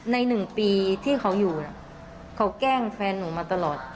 หนึ่งปีที่เขาอยู่เขาแกล้งแฟนหนูมาตลอด